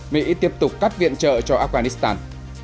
mỹ tiếp tục cắt viện trợ cho afghanistan